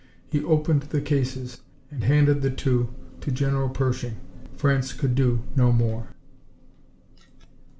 He opened the cases and handed the two to General Pershing. France could do no more.